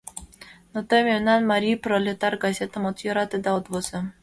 Но тый мемнан «Марий пролетар» газетым от йӧрате да от возо.